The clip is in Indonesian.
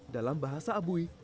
dalam bahasa abui